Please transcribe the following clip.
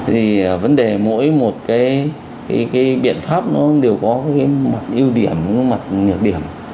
vì vấn đề mỗi một cái biện pháp nó đều có cái mặt ưu điểm mặt nhược điểm